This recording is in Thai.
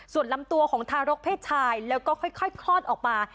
ส่วนลำตัวของทารกเพศชายแล้วก็ค่อยคลอดออกมา